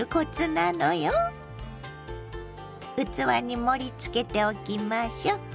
器に盛りつけておきましょ。